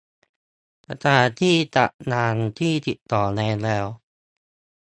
สถานที่จัดงานที่ติดต่อไว้แล้ว